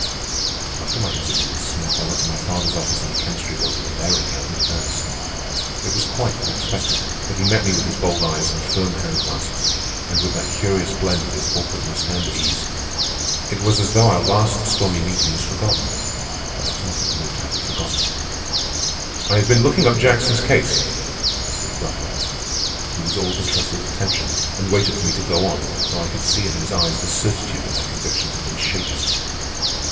After my interview with Smith I went to my father's office in the Chemistry Building and there encountered Ernest. It was quite unexpected, but he met me with his bold eyes and firm hand clasp, and with that curious blend of his awkwardness and ease. It was as though our last stormy meeting was forgotten; but I was not in the mood to have it forgotten. "I have been looking up Jackson's case," I said abruptly. He was all interested attention, and waited for me to go on, though I could see in his eyes the certitude that my convictions had been shaken.